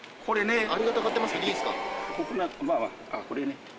これね。